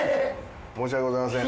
申し訳ございません。